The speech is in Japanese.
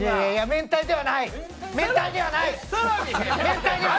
めんたいではない！！